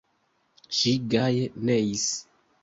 Ŝi gaje neis.